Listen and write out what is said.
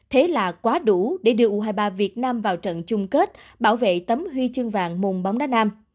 thế là quá đủ để đưa u hai mươi ba việt nam vào trận chung kết bảo vệ tấm huy chương vàng mùng bóng đá nam